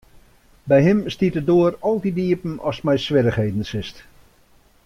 By him stiet de doar altyd iepen ast mei swierrichheden sitst.